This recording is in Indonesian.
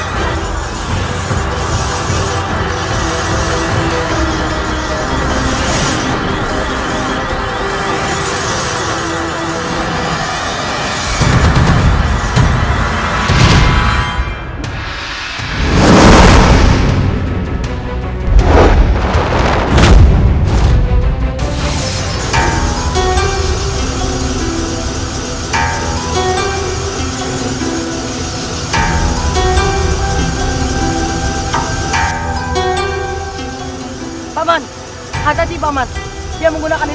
pokoknya mereka tidak merelaksan